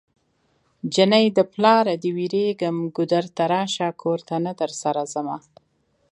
جنۍ د پلاره دی ويريږم ګودر ته راشه کور ته نه درسره ځمه